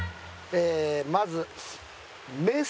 まず。